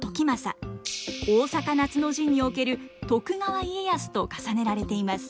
大坂夏の陣における徳川家康と重ねられています。